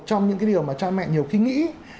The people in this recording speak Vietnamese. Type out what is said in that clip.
trong những cái điều mà cha mẹ nhiều khi nghĩ